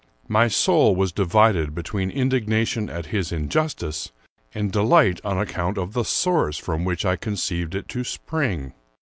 My soul was divided between indignation at his injustice and delight on account of the source from which I conceived it to spring.